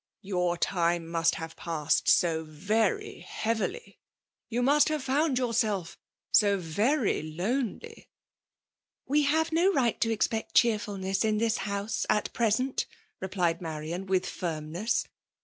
."Yon^ time must have passed so very heavily ;—yoa must have found yourself so very lonely !'*" We have no right to expect cheerfhhiess in this house, at present,*' replied Marian wi^ firmiiess.